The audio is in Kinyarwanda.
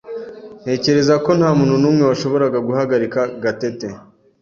Ntekereza ko ntamuntu numwe washoboraga guhagarika Gatete.